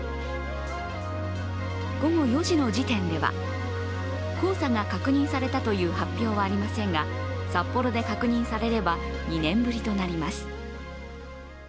午後４時の時点では、黄砂が確認されたという発表はありませんが、札幌で確認されれば２年ぶりとなります。